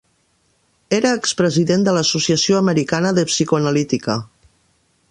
Era expresident de l'Associació Americana de Psicoanalítica.